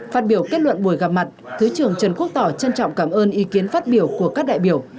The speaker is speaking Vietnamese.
phát biểu kết luận buổi gặp mặt thứ trưởng trần quốc tỏ trân trọng cảm ơn ý kiến phát biểu của các đại biểu